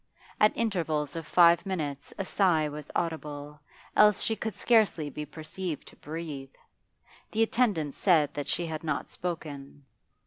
At intervals of five minutes a sigh was audible, else she could scarcely be perceived to breathe. The attendant said that she had not spoken.